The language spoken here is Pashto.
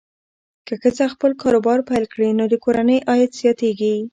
که ښځه خپل کاروبار پیل کړي، نو د کورنۍ عاید زیاتېږي.